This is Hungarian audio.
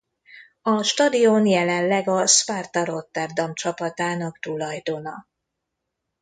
A stadion jelenleg a Sparta Rotterdam csapatának tulajdona.